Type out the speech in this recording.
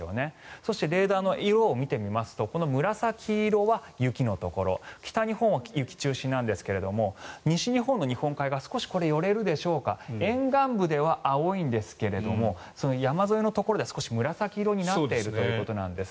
そしてレーダーの色を見てみると紫色は雪のところ北日本は雪中心なんですが西日本の日本海側は沿岸部では青いんですが山沿いのところで少し紫色になっているんです。